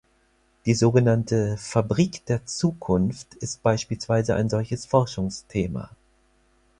Die sogenannte „Fabrik der Zukunft“ ist beispielsweise ein solches Forschungsthema.